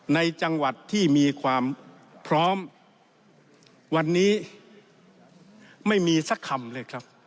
ในจังหวัดที่มีความพร้อมวันนี้ไม่มีสักคำเลยครับ